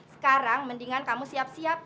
sekarang mendingan kamu siap siap